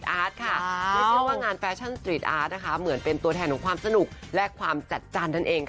ไม่เชื่อว่างานนะคะเหมือนเป็นตัวแทนของความสนุกแลกความจัดจ้านทันเองค่ะ